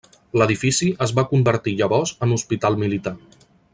L'edifici es va convertir llavors en hospital militar.